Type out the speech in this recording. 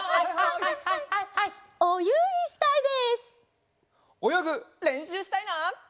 およぐれんしゅうしたいな！